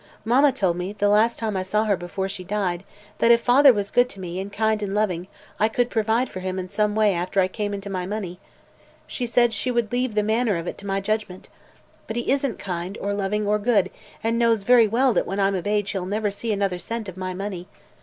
Mamma told me, the last time I saw her before she died, that if father was good to me, and kind and loving, I could provide for him in some way after I came into my money. She said she would leave the manner of it to my judgment. But he isn't kind, or loving, or good, and knows very well that when I'm of age he'll never see another cent of my money.